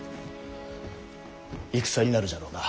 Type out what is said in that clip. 戦になるじゃろうな。